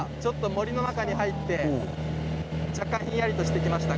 森の中に入ってひんやりとしてきました。